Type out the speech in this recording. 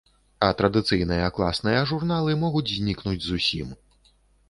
А традыцыйныя класныя журналы могуць знікнуць зусім.